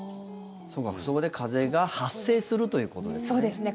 そうか、そこで風が発生するということですね。